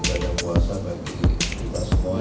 ibadah puasa bagi kita semua